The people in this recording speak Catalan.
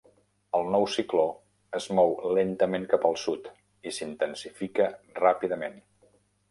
El nou cicló es mou lentament cap el sud i s'intensifica ràpidament.